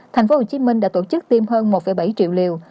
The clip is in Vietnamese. tp hcm đã tổ chức tiêm hơn một bảy triệu liều